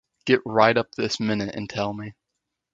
Get right up this minute and tell me.